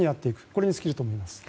これに尽きると思います。